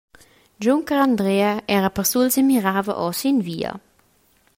Giuncher Andreia era persuls e mirava ora sin via.